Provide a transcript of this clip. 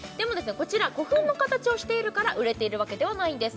こちら古墳の形をしているから売れているわけではないんです